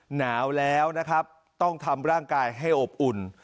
หนาวแล้วนะครับต้องทำร่างกายให้อบอุ่น